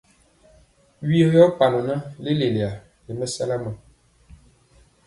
Vyɔ yɔɔ panɔ na leleyiya ri mɛsala ma.